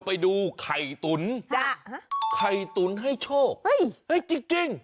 ไปดูไข่ตุ๋นไข่ตุ๋นให้โชคเฮ้ยจริง